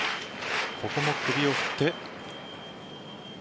ここも首を振って。